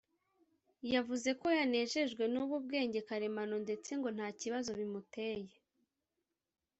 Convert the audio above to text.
yavuze ko yanejejwe n’ubu bwenge karemano ndetse ngo nta kibazo bimuteye